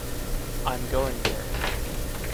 I’m going there.